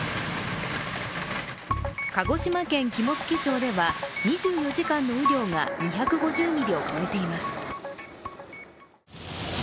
鹿児島県肝付町では、２４時間の雨量が２５０ミリを超えています。